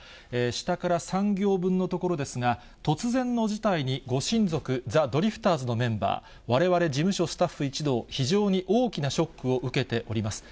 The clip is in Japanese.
下から３行分のところですが、突然の事態に、ご親族、ザ・ドリフターズのメンバー、われわれ事務所スタッフ一同、非常に大きなショックを受けております。